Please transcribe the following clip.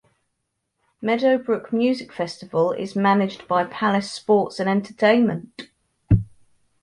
Meadow Brook Music Festival is managed by Palace Sports and Entertainment.